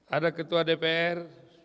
ada ketua dpr